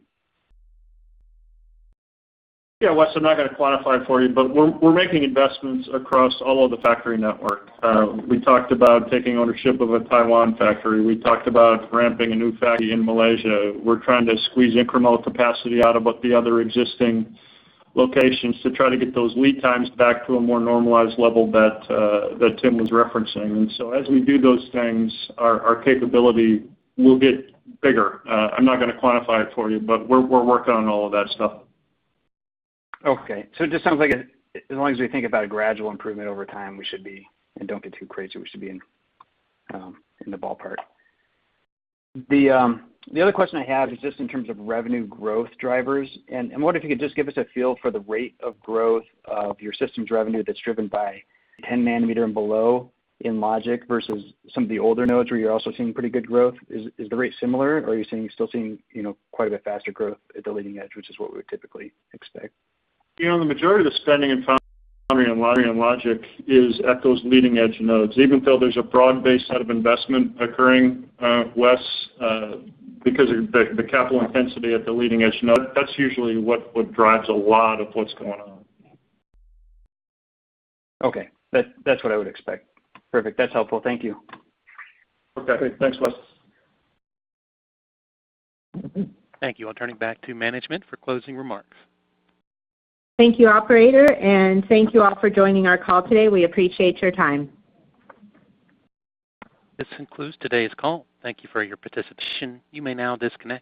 S4: Yeah, Wes, I'm not going to quantify it for you. We're making investments across all of the factory network. We talked about taking ownership of a Taiwan factory. We talked about ramping a new factory in Malaysia. We're trying to squeeze incremental capacity out of the other existing locations to try to get those lead times back to a more normalized level that Tim was referencing. As we do those things, our capability will get bigger. I'm not going to quantify it for you. We're working on all of that stuff.
S15: Okay. It just sounds like as long as we think about a gradual improvement over time, and don't get too crazy, we should be in the ballpark. The other question I have is just in terms of revenue growth drivers. I wonder if you could just give us a feel for the rate of growth of your systems revenue that's driven by 10 nanometer and below in Logic versus some of the older nodes where you're also seeing pretty good growth. Is the rate similar, or are you still seeing quite a bit faster growth at the leading edge, which is what we would typically expect?
S4: The majority of the spending in foundry and logic is at those leading-edge nodes. Even though there's a broad-based set of investment occurring, Wes, because of the capital intensity at the leading-edge node, that's usually what drives a lot of what's going on.
S15: Okay. That's what I would expect. Perfect. That's helpful. Thank you.
S4: Okay. Thanks, Wes.
S1: Thank you. I'll turn it back to management for closing remarks.
S2: Thank you, operator, and thank you all for joining our call today. We appreciate your time.
S1: This concludes today's call. Thank you for your participation. You may now disconnect.